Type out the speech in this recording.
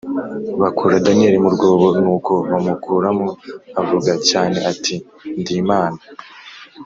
bakura Daniyeli mu rwobo Nuko bamukuramo avuga cyane ati ndimana